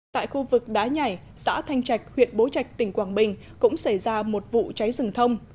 tại khu vực đá nhảy xã thanh trạch huyện bố trạch tỉnh quảng bình cũng xảy ra một vụ cháy rừng thông